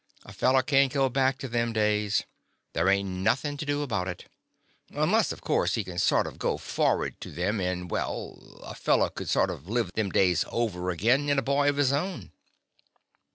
A feller can't go back to them days. There ain't nothing to do about it. Unless, of course, he can sort of go forward to them in — well, a feller could sort of live them days over agin in a boy of his own.